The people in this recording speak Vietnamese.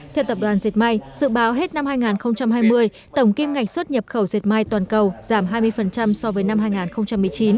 theo tập đoàn diệt may dự báo hết năm hai nghìn hai mươi tổng kim ngạch xuất nhập khẩu dệt may toàn cầu giảm hai mươi so với năm hai nghìn một mươi chín